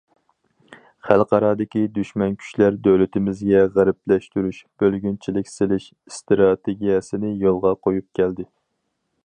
خەلقئارادىكى دۈشمەن كۈچلەر دۆلىتىمىزگە غەربلەشتۈرۈش، بۆلگۈنچىلىك سېلىش ئىستراتېگىيەسىنى يولغا قويۇپ كەلدى.